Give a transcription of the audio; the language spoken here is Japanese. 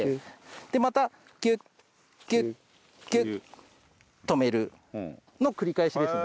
でまたキュッキュッキュッ止めるの繰り返しですね。